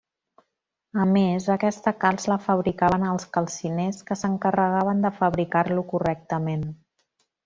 A més, aquesta calç la fabricaven els calciners que s'encarregaven de fabricar-lo correctament.